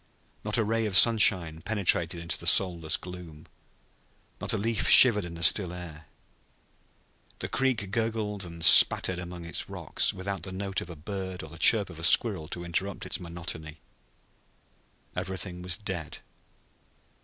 Not a ray of sunlight penetrated into the soundless gloom. Not a leaf shivered in the still air. The creek gurgled and spattered among its rocks, without the note of a bird or the chirp of a squirrel to interrupt its monotony. Everything was dead.